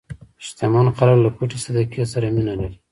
شتمن خلک له پټې صدقې سره مینه لري.